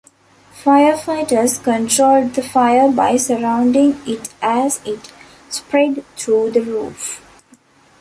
Firefighters controlled the fire by surrounding it as it spread through the roof.